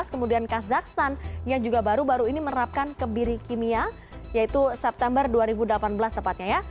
kemudian kazakhstan yang juga baru baru ini menerapkan kebiri kimia yaitu september dua ribu delapan belas tepatnya ya